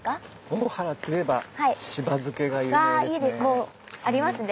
大原といえばしば漬けが有名ですね。